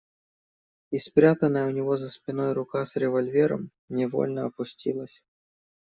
И спрятанная у него за спиной рука с револьвером невольно опустилась.